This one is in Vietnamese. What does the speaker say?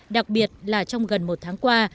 đặc biệt là trong gần một tháng qua